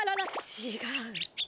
ちがう！